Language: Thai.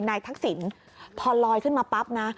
ทักษิณพอลอยขึ้นมาปั๊บนะ